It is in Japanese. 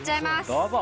どうぞ。